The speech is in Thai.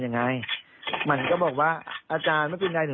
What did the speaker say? ยังไงมันก็บอกว่าอาจารย์ไม่เป็นไรหรือ